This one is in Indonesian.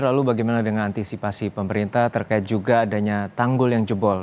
lalu bagaimana dengan antisipasi pemerintah terkait juga adanya tanggul yang jebol